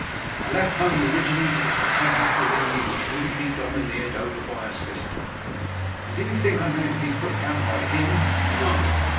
I left home originally, because I had that within me which wouldn't be domineered over by a sister; and do you think I'm going to be put down by HIM? No.